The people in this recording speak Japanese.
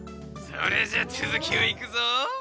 それじゃあつづきをいくぞ。